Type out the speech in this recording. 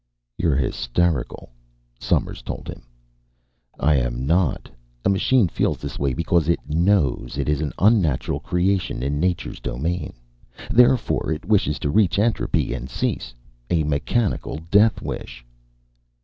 "You're hysterical," Somers told him. "I am not. A machine feels this way because it knows it is an unnatural creation in nature's domain. Therefore it wishes to reach entropy and cease a mechanical death wish."